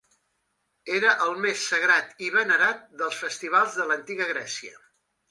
Era el més sagrat i venerat dels festivals de l'Antiga Grècia.